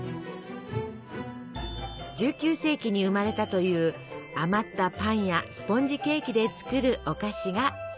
１９世紀に生まれたという余ったパンやスポンジケーキで作るお菓子がそれ。